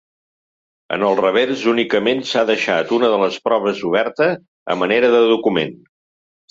En el revers únicament s'ha deixat una de les proves oberta, a manera de document.